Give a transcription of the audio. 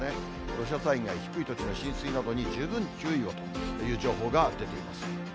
土砂災害、低い土地の浸水などに十分注意をという情報が出ています。